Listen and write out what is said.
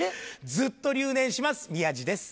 ずっと留年します宮治です。